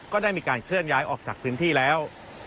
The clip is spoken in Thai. ก็ได้มีการเคลื่อนย้ายออกจากพื้นที่แล้ว